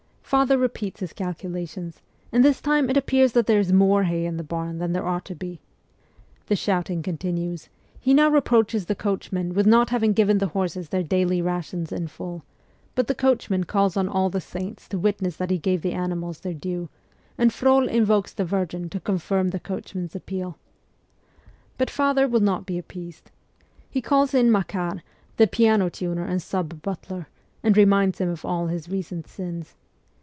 Father repeats his calculations, and this time it appears that there is more hay in the barn than there ought to be. The shouting continues ; he now reproaches the coachman with not having given the horses their daily rations in full ; but the coachman calls on all the saints to witness that he gave the ani mals their due, and Frol invokes the Virgin to confirm the coachman's appeal. But father will not be appeased. He calls in Makar, the piano tuner and sub butler, and reminds him of all his recent sins.